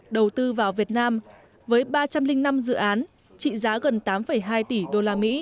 đầu tư vào việt nam với ba trăm linh năm dự án trị giá gần tám hai tỷ usd